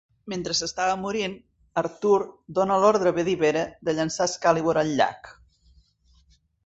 Mentre s'estava morint, Arthur dóna l'ordre a Bedivere de llençar Excalibur al llac.